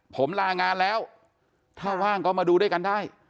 ผมลางานแล้วถ้าว่างก็มาดูด้วยกันได้